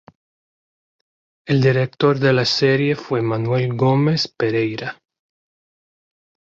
El director de la serie fue Manuel Gómez Pereira.